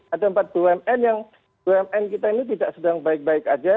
ada empat dua umn yang dua umn kita ini tidak sedang baik baik aja